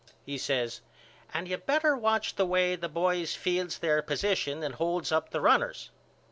He says And you better watch the way the boys fields their positions and holds up the runners.